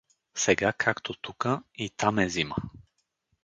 Сега, както тука, и там е зима.